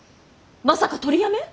まさか取りやめ？